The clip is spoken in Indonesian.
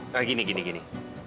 nah gini gini gini